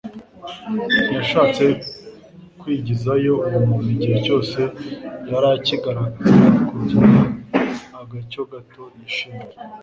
ntiyashatse kwigizayo uwo muntu igihe cyose yari akigaragaza kugira agacyo gato yishimira.